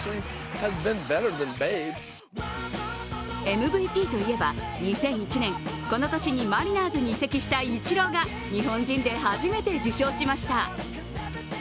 ＭＶＰといえば、２００１年、この年にマリナーズに移籍したイチローが日本人で初めて受賞しました。